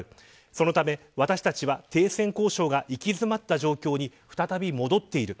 そのため、私たちは停戦交渉が行き詰まった状況に再び戻っている。